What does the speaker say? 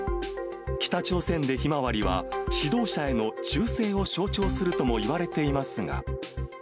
北朝鮮でヒマワリは、指導者への忠誠を象徴するともいわれていますが。